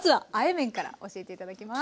麺から教えて頂きます。